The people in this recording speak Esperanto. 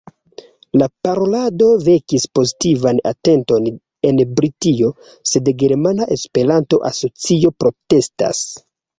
La parolado vekis pozitivan atenton en Britio, sed Germana Esperanto-Asocio protestas.